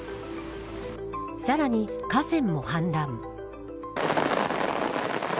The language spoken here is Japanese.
さらに河川も氾濫。